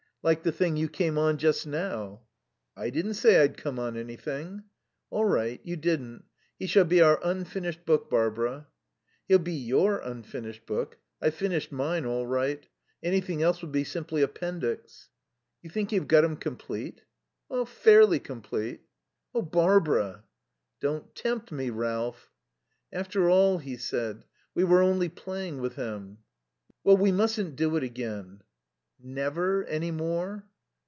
"Like the thing you came on just now." "I didn't say I'd come on anything." "All right, you didn't. He shall be our unfinished book, Barbara." "He'll be your unfinished book. I've finished mine all right. Anything else will be simply appendix." "You think you've got him complete?" "Fairly complete." "Oh, Barbara " "Don't tempt me, Ralph." "After all," he said, "we were only playing with him." "Well, we mustn't do it again." "Never any more?"